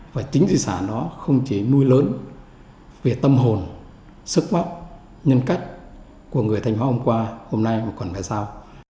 và chính di sản nó không chỉ nuôi lớn về tâm hồn sức mắc nhân cách của người thanh hóa hôm qua hôm nay mà còn là sao